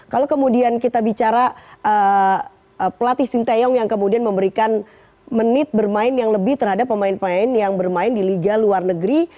kalau kemudian kita bicara pelatih sinteyong yang kemudian memberikan menit bermain yang lebih terhadap pemain pemain yang bermain di liga luar negeri